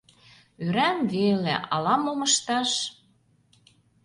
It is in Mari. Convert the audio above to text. Ӧрам веле, ала-мом ышташ...